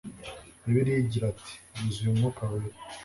Bibiliya igira iti “yuzuye umwuka wera,